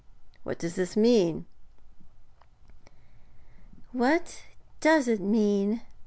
What does this mean?' 'What does it mean?'